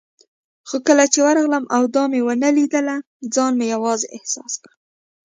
خو کله چې ورغلم او دا مې ونه لیدل، ځان مې یوازې احساس کړ.